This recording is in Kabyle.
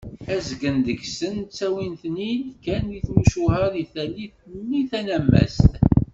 Azgen deg-sen ttawin-ten-id kan d timucuha deg tallit-nni tanammast.